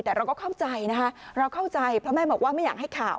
แต่เราก็เข้าใจนะคะเราเข้าใจเพราะแม่บอกว่าไม่อยากให้ข่าว